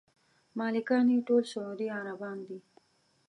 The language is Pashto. مالکان یې ټول سعودي عربان دي.